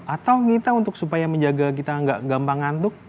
atau kita untuk supaya menjaga kita nggak gampang ngantuk